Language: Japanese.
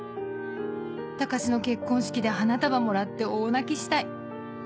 「高志の結婚式で花束もらって大泣きしたい。